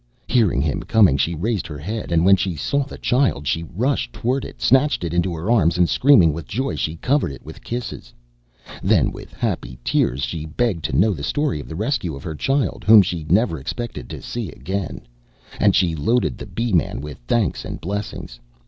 Hearing him coming, she raised her head, and when she saw the child she rushed towards it, snatched it into her arms, and screaming with joy she covered it with kisses. Then with happy tears she begged to know the story of the rescue of her child, whom she never expected to see again; and she loaded the Bee man with thanks and blessings.